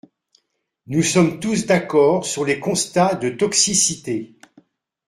Nous sommes tous d’accord sur les constats de toxicité.